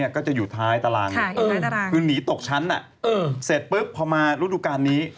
ก็จะอยู่ท้ายตารางคือหนีตกชั้นเสร็จปุ๊บพอมาฤดูการนี้